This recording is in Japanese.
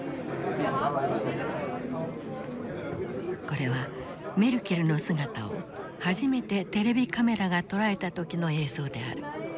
これはメルケルの姿を初めてテレビカメラが捉えた時の映像である。